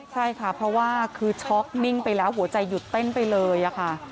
ใช่ค่ะเพราะว่าคือช็อกนิ่งไปแล้วหัวใจหยุดเต้นไปเลยค่ะ